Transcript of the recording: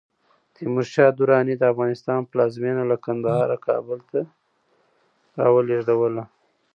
تیمور شاه دراني د افغانستان پلازمېنه له کندهاره کابل ته راولېږدوله.